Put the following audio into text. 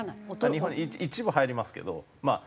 日本に一部入りますけどまあ